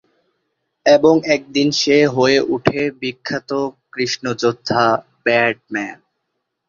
অবিভক্ত পাকিস্তান ন্যাপের যুগ্ম সম্পাদকও ছিলেন তিনি।